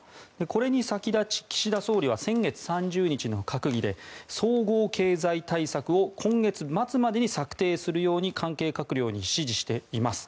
これに先立ち岸田総理は先月３０日の閣議で総合経済対策を今月末までに策定するように関係閣僚に指示しています。